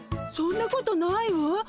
そんなことないわ。